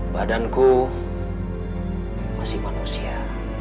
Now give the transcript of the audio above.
badanku masih manusia